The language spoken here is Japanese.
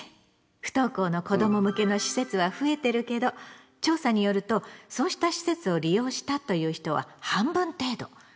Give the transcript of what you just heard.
不登校の子ども向けの施設は増えてるけど調査によるとそうした施設を利用したという人は半分程度。